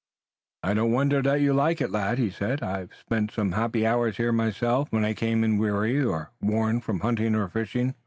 "I don't wonder that you like it, lad," he said. "I've spent some happy hours here myself, when I came in weary or worn from hunting or fishing.